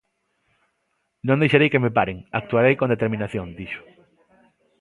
"Non deixarei que me paren, actuarei con determinación", dixo.